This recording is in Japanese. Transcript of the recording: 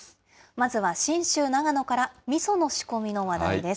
まずは信州長野から、みその仕込みの話題です。